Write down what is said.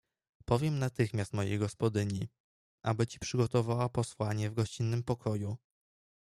"Powiem natychmiast mojej gospodyni, aby ci przygotowała posłanie w gościnnym pokoju."